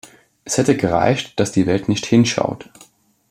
Es hätte gereicht, dass die Welt nicht hinschaut.